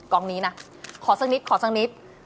กองนี้นะขอสักนิดขอสักนิด